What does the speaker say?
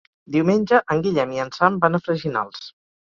Diumenge en Guillem i en Sam van a Freginals.